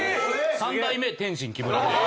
３代目天津木村。